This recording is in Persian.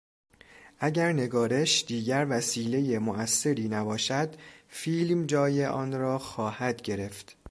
اگر نگارش دیگر وسیلهی موثری نباشد فیلم جای آن را خواهد گرفت.